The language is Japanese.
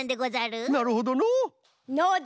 なるほどのう！